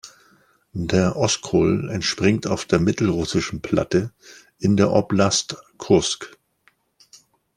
Der Oskol entspringt auf der Mittelrussischen Platte in der Oblast Kursk.